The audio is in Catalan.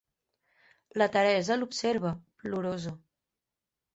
La Teresa l'observa, plorosa.